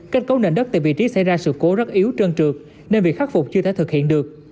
kết cấu nền đất tại vị trí xảy ra sự cố rất yếu trơn trượt nên việc khắc phục chưa thể thực hiện được